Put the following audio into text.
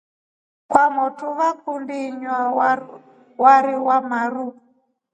Kwamotu vakundi inywa wari wamaru.